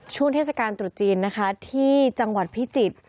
ช่วงเทศกาลตรุษจีนนะคะที่จังหวัดพิจิตร